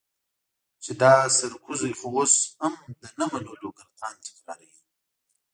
چې دا سرکوزی خو اوس هم د نه منلو ګردان تکراروي.